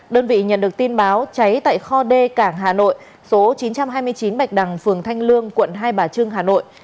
đơn vị nhận được tin báo cháy tại kho d cảng hà nội số chín trăm hai mươi chín bạch đằng phường thanh lương quận hai bà trưng hà nội